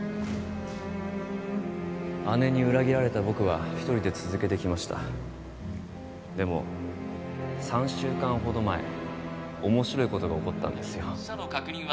姉に裏切られた僕は一人で続けてきましたでも３週間ほど前面白いことが起こったんですよ